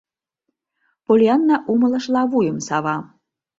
Поллианна умылышыла вуйым сава: